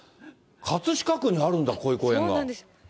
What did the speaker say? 葛飾区にあるんだ、こういう公園